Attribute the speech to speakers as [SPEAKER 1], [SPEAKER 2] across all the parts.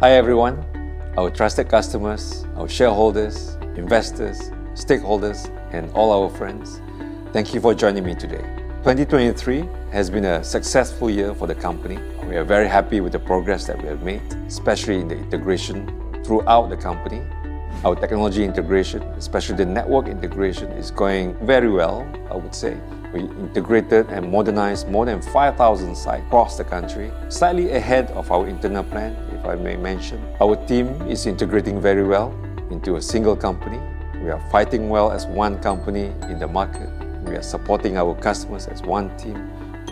[SPEAKER 1] Hi everyone, our trusted customers, our shareholders, investors, stakeholders, and all our friends, thank you for joining me today. 2023 has been a successful year for the company. We are very happy with the progress that we have made, especially in the integration throughout the company. Our technology integration, especially the network integration, is going very well, I would say. We integrated and modernized more than 5,000 sites across the country, slightly ahead of our internal plan, if I may mention. Our team is integrating very well into a single company. We are fighting well as one company in the market. We are supporting our customers as one team.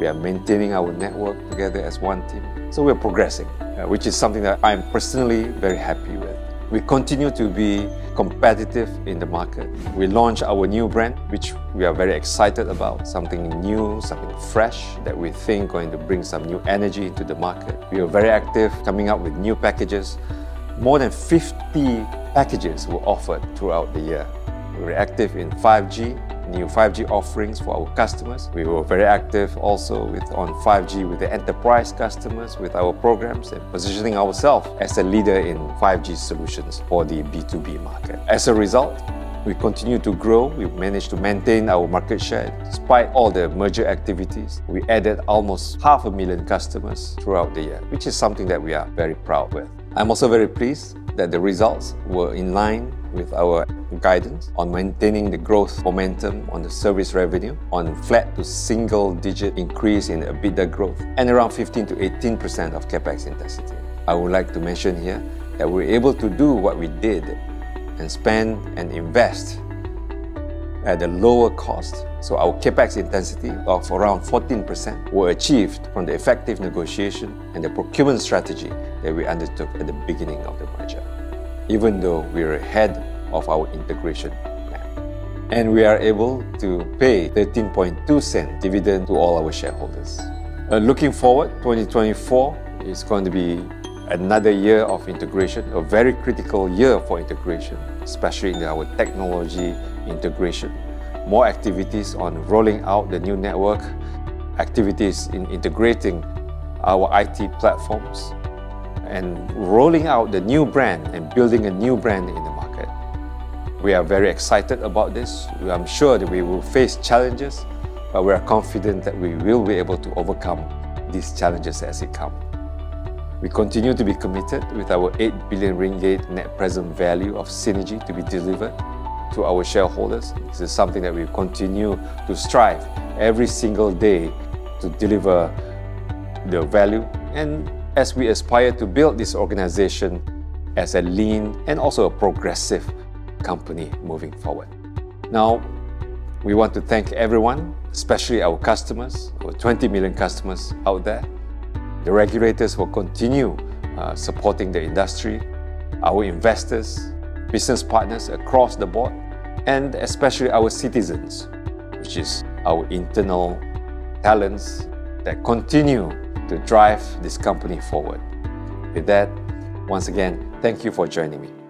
[SPEAKER 1] We are maintaining our network together as one team. So we are progressing, which is something that I am personally very happy with. We continue to be competitive in the market. We launched our new brand, which we are very excited about, something new, something fresh that we think is going to bring some new energy into the market. We are very active coming up with new packages. More than 50 packages were offered throughout the year. We were active in 5G, new 5G offerings for our customers. We were very active also with on 5G with the enterprise customers, with our programs, and positioning ourselves as a leader in 5G solutions for the B2B market. As a result, we continue to grow. We managed to maintain our market share despite all the merger activities. We added almost half a million customers throughout the year, which is something that we are very proud with. I'm also very pleased that the results were in line with our guidance on maintaining the growth momentum on the service revenue, on flat to single digit increase in the EBITDA growth, and around 15%-18% of CapEx intensity. I would like to mention here that we were able to do what we did and spend and invest at a lower cost. So our CapEx intensity of around 14% was achieved from the effective negotiation and the procurement strategy that we undertook at the beginning of the merger, even though we were ahead of our integration plan. We are able to pay 0.132 dividend to all our shareholders. Looking forward, 2024 is going to be another year of integration, a very critical year for integration, especially in our technology integration. More activities on rolling out the new network, activities in integrating our IT platforms, and rolling out the new brand and building a new brand in the market. We are very excited about this. I'm sure that we will face challenges, but we are confident that we will be able to overcome these challenges as they come. We continue to be committed with our 8 billion ringgit net present value of Synergy to be delivered to our shareholders. This is something that we continue to strive every single day to deliver the value. As we aspire to build this organization as a lean and also a progressive company moving forward. Now, we want to thank everyone, especially our customers, our 20 million customers out there, the regulators who continue supporting the industry, our investors, business partners across the board, and especially our CDzens, which is our internal talents that continue to drive this company forward. With that, once again, thank you for joining me.